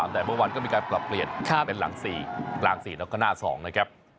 แต่เมื่อวานก็มีการกลับเปลี่ยนเป็นหลัง๔๒นะครับ